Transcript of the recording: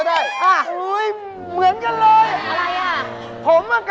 โอ้โฮต้องเบรก